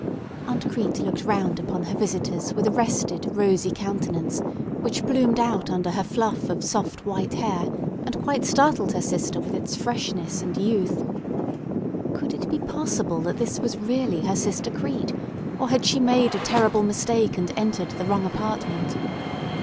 Aunt Crete looked round upon her visitors with a rested, rosy countenance, which bloomed out under her fluff of soft, white hair, and quite startled her sister with its freshness and youth. Could it be possible that this was really her sister Crete; or had she made a terrible mistake, and entered the wrong apartment?